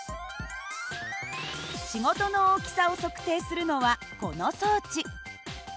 仕事の大きさを測定するのはこの装置。